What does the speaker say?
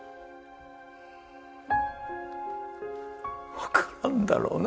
わからんだろうな。